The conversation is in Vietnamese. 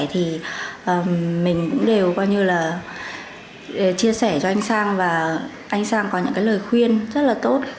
thì mình cũng đều coi như là chia sẻ cho anh sang và anh sang có những cái lời khuyên rất là tốt